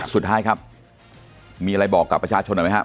สุดท้ายครับมีอะไรบอกกับประชาชนหน่อยไหมครับ